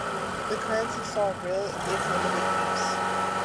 The currency saw real, if limited use.